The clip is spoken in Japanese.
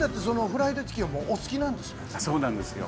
そうなんですよ。